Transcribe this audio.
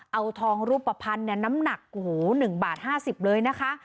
เอาทองรูปภัณฑ์น้ำหนัก๑บาท๕๐เลยนะคะ